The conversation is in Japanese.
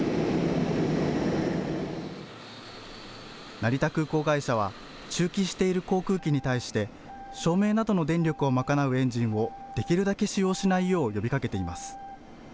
成田空港会社は駐機している航空機に対して照明などの電力を賄うエンジンをできるだけ使用しないよう呼びかけています。